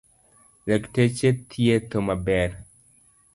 Lakteche thietho maber.